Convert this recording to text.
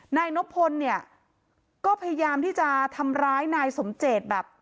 นายนบพลเนี่ยก็พยายามที่จะทำร้ายนายสมเจตแบบ